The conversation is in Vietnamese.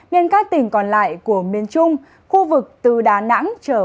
nên các tỉnh còn lại của miền trung khu vực từ đà nẵng